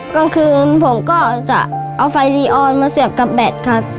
กลางคืนผมก็จะเอาไฟลีออนมาเสียบกับแบตครับ